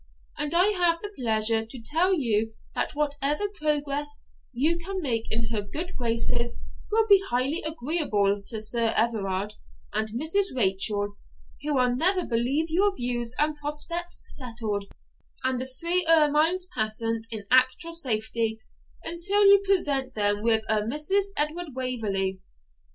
And I have the pleasure to tell you that whatever progress you can make in her good graces will be highly agreeable to Sir Everard and Mrs. Rachel, who will never believe your views and prospects settled, and the three ermines passant in actual safety, until you present them with a Mrs. Edward Waverley.